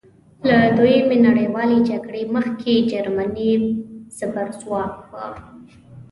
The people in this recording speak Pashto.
له دویمې نړیوالې جګړې مخکې جرمني زبرځواک وه.